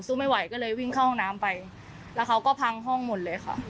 ไม่ไหวก็เลยวิ่งเข้าห้องน้ำไปแล้วเขาก็พังห้องหมดเลยค่ะ